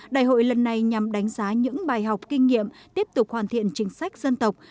đại hội lần này nhằm đánh giá những bài học kinh nghiệm tiếp tục hoàn thiện chính sách dân tộc